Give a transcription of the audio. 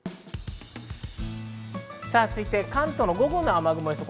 続いて関東の午後の雨雲です。